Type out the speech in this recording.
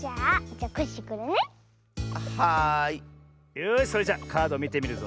よしそれじゃカードみてみるぞ。